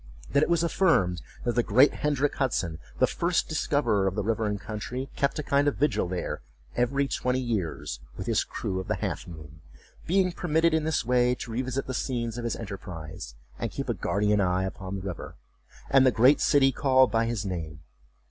That it was affirmed that the great Hendrick Hudson, the first discoverer of the river and country, kept a kind of vigil there every twenty years, with his crew of the Half moon; being permitted in this way to revisit the scenes of his enterprise, and keep a guardian eye upon the river, and the great city called by his name.